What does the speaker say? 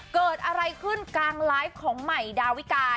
เกิดอะไรขึ้นกลางไลฟ์ของใหม่ดาวิกา